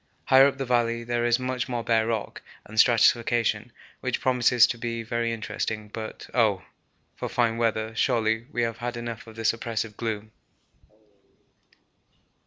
Higher up the valley there is much more bare rock and stratification, which promises to be very interesting, but oh! for fine weather; surely we have had enough of this oppressive gloom.